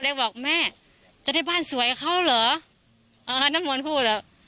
เด็กบอกแม่จะได้บ้านสวยเขาเหรออ๋อน้ำมอนพูดเหรอ